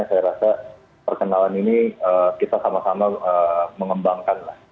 saya rasa perkenalan ini kita sama sama mengembangkan lah